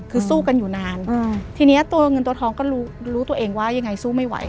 คือสู้กันอยู่นานทีนี้ตัวเงินตัวทองก็รู้ตัวเองว่ายังไงสู้ไม่ไหว